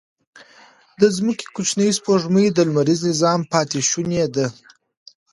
د ځمکې کوچنۍ سپوږمۍ د لمریز نظام پاتې شوني دي.